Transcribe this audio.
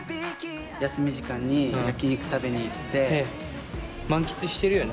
休み時間に焼き肉食べに行っ満喫してるよね。